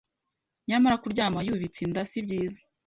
Nyamara kuryama yubitse inda sibyiza